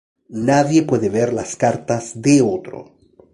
Nadie puede ver las cartas de otro.